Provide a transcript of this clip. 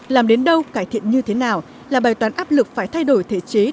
làm đến đâu cải thiện như thế nào là bài toán áp lực phải thay đổi thể chế